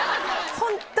ホントに。